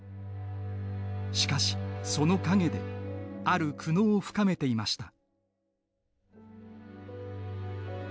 しかし、その陰である苦悩を深めていました。